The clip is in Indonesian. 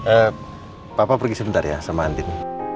eh papa pergi sebentar ya sama andin